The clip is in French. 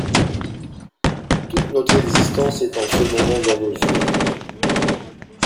Toute notre existence est en ce moment dans nos yeux!